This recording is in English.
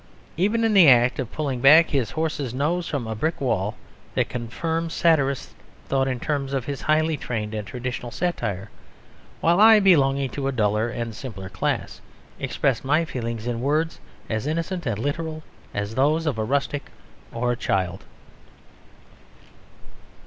Even in the act of pulling back his horse's nose from a brick wall, that confirmed satirist thought in terms of his highly trained and traditional satire; while I, belonging to a duller and simpler class, expressed my feelings in words as innocent and literal as those of a rustic or a child.